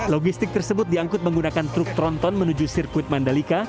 logistik tersebut diangkut menggunakan truk tronton menuju sirkuit mandalika